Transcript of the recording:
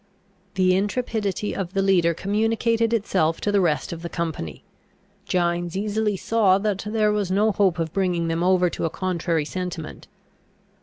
The intrepidity of the leader communicated itself to the rest of the company. Gines easily saw that there was no hope of bringing them over to a contrary sentiment.